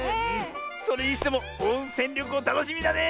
それにしてもおんせんりょこうたのしみだねえ。